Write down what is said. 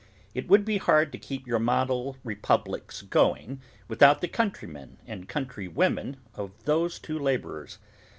It would be hard to keep your model republics going, without the countrymen and countrywomen of those two labourers.